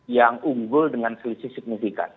yang unggul dengan selisih signifikan